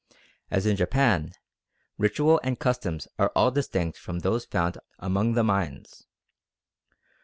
As in Japan, ritual and customs are all distinct from those found among the Mayans.